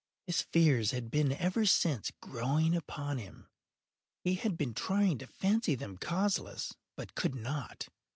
His fears had been ever since growing upon him. He had been trying to fancy them causeless, but could not.